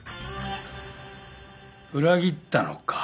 裏切ったのか？